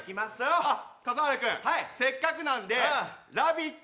かさはら君、せっかくなんで今日、「ラヴィット！」